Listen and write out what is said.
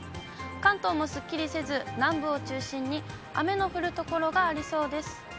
関東もすっきりせず、南部を中心に雨の降る所がありそうです。